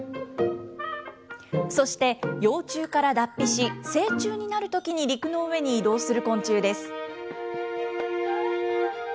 そして幼虫から脱皮し、成虫になるときに陸の上に移動する昆虫です。